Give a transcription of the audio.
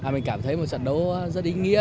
mình cảm thấy một trận đấu rất ý nghĩa